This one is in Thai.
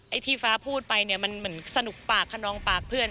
ไอ้ที่ฟ้าพูดไปเนี่ยมันเหมือนสนุกปากคนนองปากเพื่อน